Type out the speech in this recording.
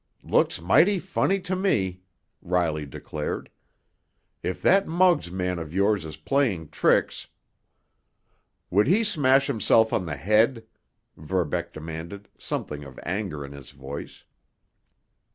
"Looks mighty funny to me!" Riley declared. "If that Muggs man of yours is playing tricks——" "Would he smash himself on the head?" Verbeck demanded, something of anger in his voice.